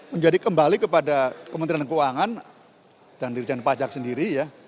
menjadi kembali kepada kementerian keuangan dan dirjen pajak sendiri ya